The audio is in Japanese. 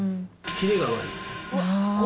キレが悪い。